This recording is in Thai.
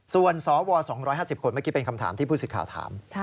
ส่วนศว๒๕๐คนนี่เป็นคำถามที่ผู้สิตขาวถาม